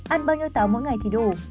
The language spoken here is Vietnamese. ăn bao nhiêu táo mỗi ngày thì đủ